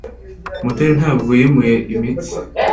Mutoni ntabwo yimuye imitsi.